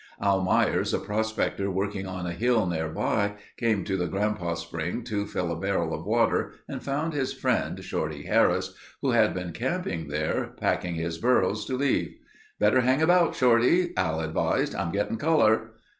Al Myers, a prospector working on a hill nearby, came to the Grandpa Spring to fill a barrel of water and found his friend, Shorty Harris, who had been camping there, packing his burros to leave. "Better hang around, Shorty," Al advised. "I'm getting color."